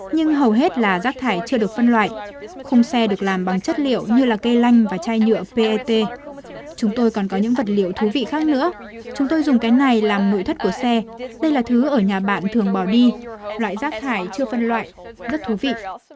nhưng hầu hết là rác thải chưa được phân loại khung xe được làm bằng chất liệu như là cây lanh và chai nhựa pet chúng tôi còn có những vật liệu thú vị khác nữa chúng tôi dùng cái này làm nội thất của xe đây là thứ ở nhà bạn thường bỏ đi loại rác thải chưa phân loại rất thú vị